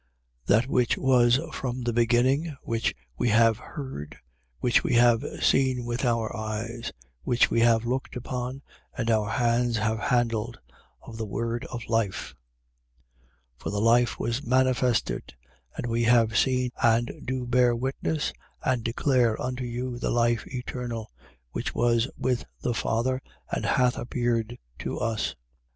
That which was from the beginning, which we have heard, which we have seen with our eyes, which we have looked upon and our hands have handled, of the word of life. 1:2. For the life was manifested: and we have seen and do bear witness and declare unto you the life eternal, which was with the Father and hath appeared to us. 1:3.